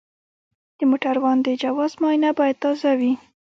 د موټروان د جواز معاینه باید تازه وي.